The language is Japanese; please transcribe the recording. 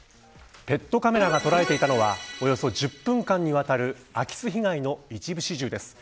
ペットカメラが捉えていたのはおよそ１０分間にわたる空き巣被害の一部始終です。